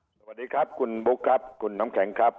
สวัสดีครับคุณบุ๊คครับคุณน้ำแข็งครับ